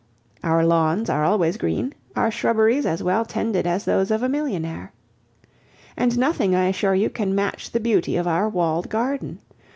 Our lawns are always green, our shrubberies as well tended as those of a millionaire. And nothing I assure you, can match the beauty of our walled garden.